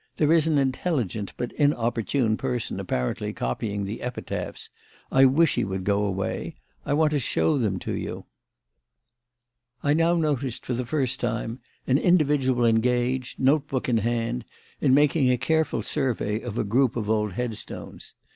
There is an intelligent, but inopportune, person apparently copying the epitaphs. I wish he would go away. I want to show them to you." I now noticed, for the first time, an individual engaged, note book in hand, in making a careful survey of a group of old headstones.